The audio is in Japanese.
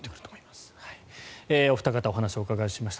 お二方にお話をお伺いしました。